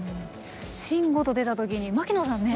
「しんご」と出た時に槙野さんね